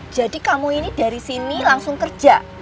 jadi kamu ini dari sini langsung kerja